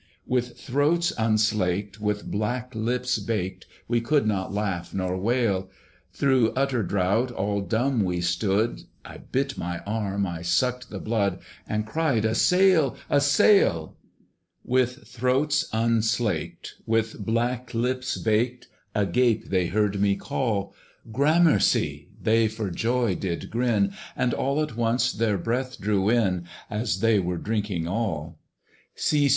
With throats unslaked, with black lips baked, We could not laugh nor wail; Through utter drought all dumb we stood! I bit my arm, I sucked the blood, And cried, A sail! a sail! With throats unslaked, with black lips baked, Agape they heard me call: Gramercy! they for joy did grin, And all at once their breath drew in, As they were drinking all. See!